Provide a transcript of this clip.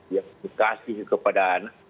yang dikasih kepada